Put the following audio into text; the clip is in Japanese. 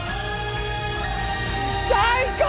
最高！